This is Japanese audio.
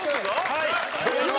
はい。